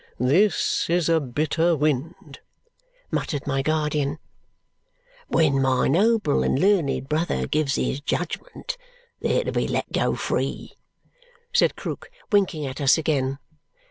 "This is a bitter wind!" muttered my guardian. "When my noble and learned brother gives his judgment, they're to be let go free," said Krook, winking at us again.